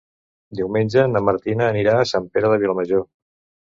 Diumenge na Martina anirà a Sant Pere de Vilamajor.